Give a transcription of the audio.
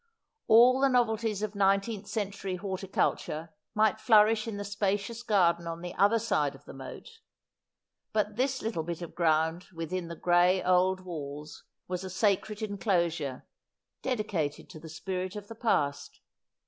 All the novelties of nineteenth century horti culture might flourish in the spacious garden on the other side of the moat ; but this little bit of ground within the gray old walls was a sacred enclosure, dedicated to the spirit of the past.